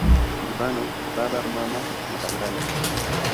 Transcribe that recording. Mfano: Baba, Mama nakadhalika.